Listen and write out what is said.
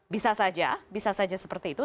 bisa saja bisa saja seperti itu